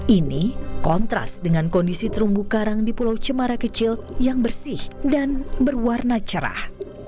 ini kontras dengan kondisi terumbu karang di pulau cemara kecil yang bersih dan berwarna cerah